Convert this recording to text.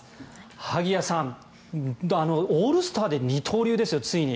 萩谷さん、オールスターで二刀流ですよ、ついに。